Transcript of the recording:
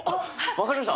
分かりました？